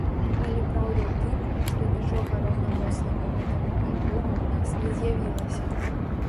Але праўда ў тым, што нічога раўнамоцнага гэтаму альбому ў нас не з'явілася.